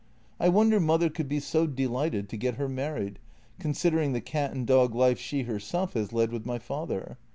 I wonder mother could be so delighted to get her married, considering the cat and dog life she herself has led with my father.